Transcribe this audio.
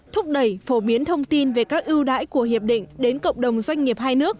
thúc đẩy phổ biến thông tin về các ưu đãi của hiệp định đến cộng đồng doanh nghiệp hai nước